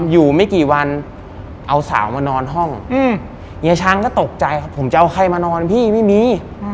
อยู่ไม่กี่วันเอาสาวมานอนห้องเฮียช้างก็ตกใจครับผมจะเอาใครมานอนพี่ไม่มี